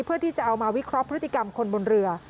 เพื่อที่จะเอามาวิเคราะห์พฤติกรรมคนบนเรือ